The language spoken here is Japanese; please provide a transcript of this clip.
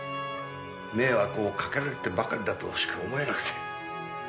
迷惑をかけられてばかりだとしか思えなくて。